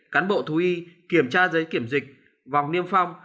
cán bộ thú y kiểm tra giấy kiểm dịch vòng niêm phong